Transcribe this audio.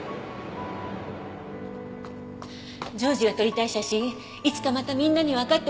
譲士が撮りたい写真いつかまたみんなにわかってもらえる。